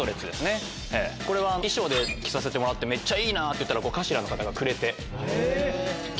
これは衣装で着させてもらってめっちゃいいなって言ったらＣＡ４ＬＡの方がくれて。